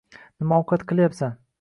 — Nima ovqat qilyapsan?